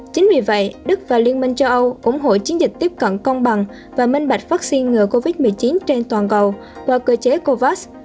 chính vì vậy đức và liên minh châu âu ủng hộ chiến dịch tiếp cận công bằng và minh bạch vaccine ngừa covid một mươi chín trên toàn cầu qua cơ chế covax